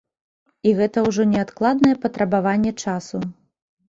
І гэта ўжо неадкладнае патрабаванне часу.